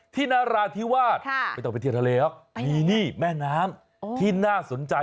นราธิวาสไม่ต้องไปเที่ยวทะเลหรอกมีนี่แม่น้ำที่น่าสนใจ